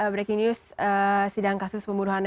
breaking news sidang kasus pembunuhan